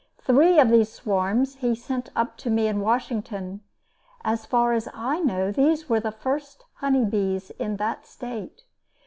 Three of these swarms he sent up to me in Washington. As far as I know these were the first honey bees in that state.